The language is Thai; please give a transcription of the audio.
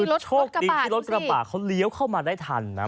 คือโชคดีที่รถกระบาดเขาเลี้ยวเข้ามาได้ทันนะ